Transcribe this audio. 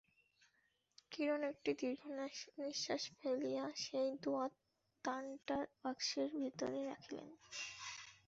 কিরণ একটি দীর্ঘনিশ্বাস ফেলিয়া সেই দোয়াতদানটা বাক্সর ভিতরে রাখিলেন।